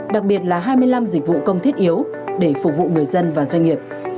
đặc biệt là hai mươi năm dịch vụ công thiết yếu để phục vụ người dân và doanh nghiệp